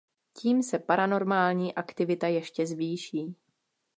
Tím se paranormální aktivita ještě zvýší.